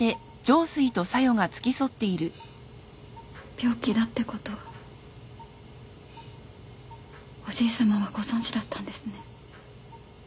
病気だってことおじいさまはご存じだったんですね。